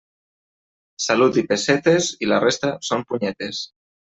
Salut i pessetes, i la resta són punyetes.